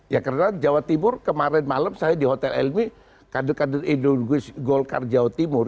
ya karena jawa timur kemarin malam saya di hotel elmi kadut kadut indonese gold car jawa timur